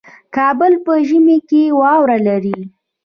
کابل په ژمي کې واوره لري